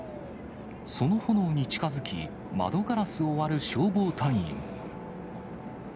その炎に近づき、窓ガラスを割る消防隊員。